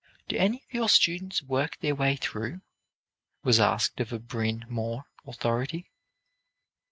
"Do any of your students work their way through?" was asked of a Bryn Mawr authority.